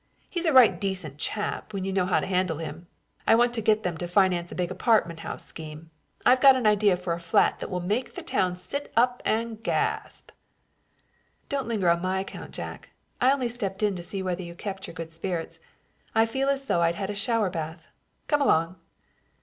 He's a right decent chap when you know how to handle him. I want to get them to finance a big apartment house scheme. I've got an idea for a flat that will make the town sit up and gasp." "Don't linger on my account, Jack. I only stopped in to see whether you kept your good spirits. I feel as though I'd had a shower bath. Come along."